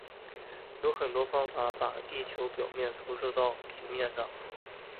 有多种方法把地球表面投影到平面上。